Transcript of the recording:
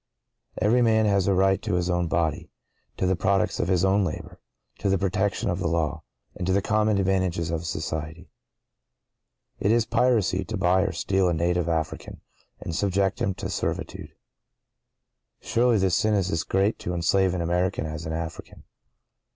Every man has a right to his own body—to the products of his own labor—to the protection of the law—and to the common advantages of society. It is piracy to buy or steal a native African, and subject him to servitude. Surely hte sin is as great to enslave an American as an African.